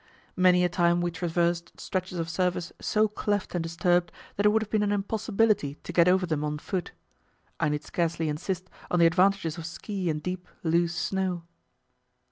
Many a time we traversed stretches of surface so cleft and disturbed that it would have been an impossibility to get over them on foot. I need scarcely insist on the advantages of ski in deep, loose snow.